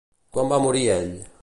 Quan va morir ell?